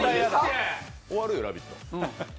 終わるよ、「ラヴィット！」。